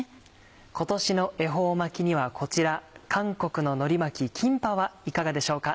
今年の恵方巻きにはこちら韓国ののり巻き「キンパ」はいかがでしょうか？